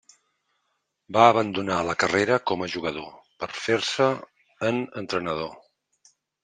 Va abandonar la carrera com a jugador, per a fer-se en entrenador.